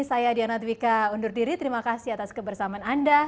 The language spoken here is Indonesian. saya diana dwika undur diri terima kasih atas kebersamaan anda